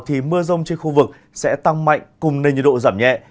thì mưa rông trên khu vực sẽ tăng mạnh cùng nền nhiệt độ giảm nhẹ